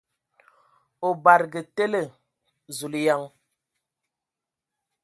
O badǝge tele ! Zulǝyaŋ!